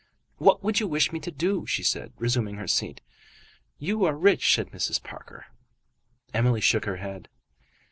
"What would you wish me to do?" she said, resuming her seat. "You are rich," said Mrs. Parker. Emily shook her head.